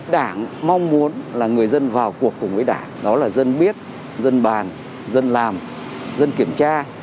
đảng mong muốn là người dân vào cuộc cùng với đảng đó là dân biết dân bàn dân làm dân kiểm tra